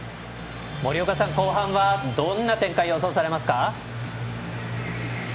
森岡さん後半はどんな展開を予想されますか。